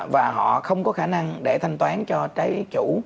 và họ không có khả năng để thanh toán cho trái chủ